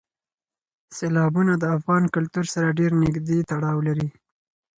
سیلابونه د افغان کلتور سره ډېر نږدې تړاو لري.